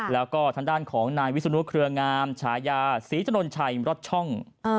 แล้วก็ทางด้านของนายวิศนุเครืองามฉายาศรีถนนชัยรถช่อง